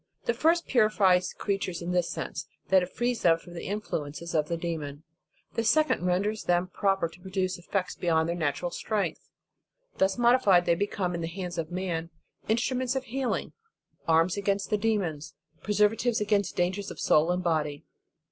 .The first purifies creatures in this sense, that it frees them from the influences of the demon. The second renders them proper to produce effects beyond their natural strength. Thus modified, they become, in the hands of man, instruments of healing, arms against the demons, preservatives against dangers of soul and body.